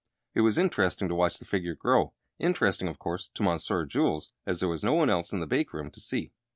It was interesting to watch the figure grow: interesting, of course, to Monsieur Jules, as there was no one else in the bake room to see.